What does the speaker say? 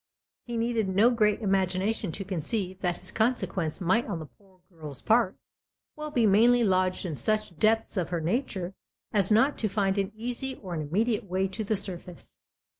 He needed no great imagination to conceive that this consequence might, on the poor girl's part, well be mainly lodged in such depths of her nature as not to find an easy or an immediate way to the surface.